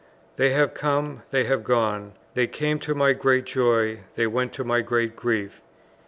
They have come, they have gone; they came to my great joy, they went to my great grief.